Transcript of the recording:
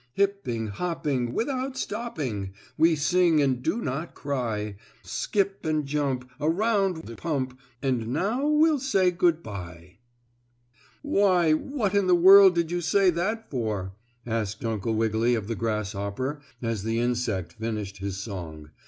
"Hipping, hopping, Without stopping We sing and do not cry. Skip and jump Around the pump; Now we'll say good by." "Why, what in the world did you say that for?" asked Uncle Wiggily of the grasshopper as the insect finished his song.